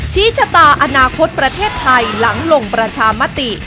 ชี้ชะตาอนาคตประเทศไทยหลังลงประชามติ